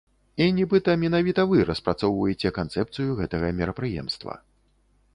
І нібыта менавіта вы распрацоўваеце канцэпцыю гэтага мерапрыемства.